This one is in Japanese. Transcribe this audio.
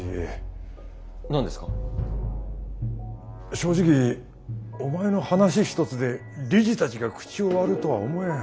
正直お前の話一つで理事たちが口を割るとは思えん。